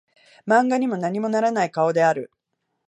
漫画にも何もならない顔である